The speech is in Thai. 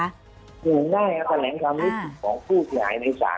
ได้ครับแถลงคำวิธีของผู้เสียหายในสาร